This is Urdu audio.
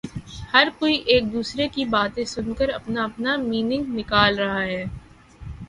ہر کوئی ایک دوسرے کی باتیں سن کر اپنا اپنا مینینگ نکال رہا ہے